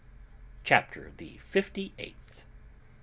CHAPTER THE FIFTY EIGHTH.